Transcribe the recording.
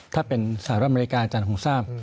ถ้าเป็นสหรัฐอเมริกาอาจารย์คงทราบ